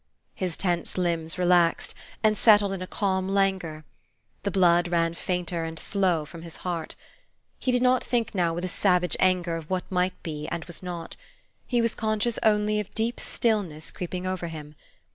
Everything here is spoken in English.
His tense limbs relaxed, and settled in a calm languor. The blood ran fainter and slow from his heart. He did not think now with a savage anger of what might be and was not; he was conscious only of deep stillness creeping over him.